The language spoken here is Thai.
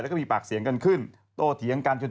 แล้วก็มีปากเสียงกันขึ้นโตเถียงกันจน